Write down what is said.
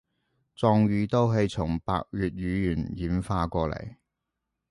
壯語都係從百越語言演化過禮